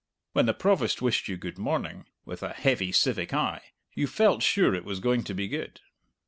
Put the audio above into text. When the Provost wished you good morning, with a heavy civic eye, you felt sure it was going to be good.